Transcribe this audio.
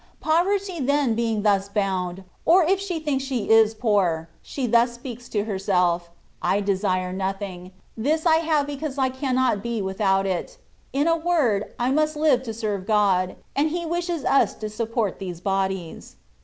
Poverty then being thus bound, or if she thinks she is poor, she thus speaks to herself, ^^ I desire nothing : this I have because I cannot be without it ; in a word, I must live to serve God, and He wishes us to support these bodies.'